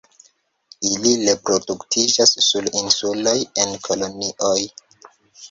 Ili reproduktiĝas sur insuloj en kolonioj.